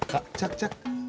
kak jak jak